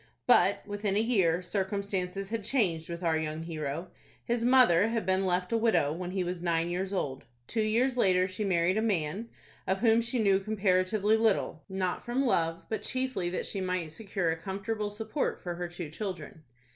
But, within a year, circumstances had changed with our young hero. His mother had been left a widow when he was nine years old. Two years later she married a man, of whom she knew comparatively little, not from love, but chiefly that she might secure a comfortable support for her two children.